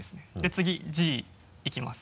次「Ｇ」いきます。